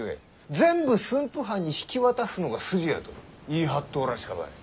全部駿府藩に引き渡すのが筋や」と言い張っとうらしかばい。